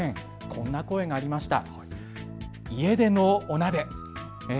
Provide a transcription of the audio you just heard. こんな声がありました。